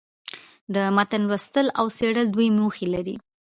د متن لوستل او څېړل دوې موخي لري.